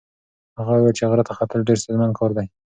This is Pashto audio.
هغه وویل چې غره ته ختل ډېر ستونزمن کار دی.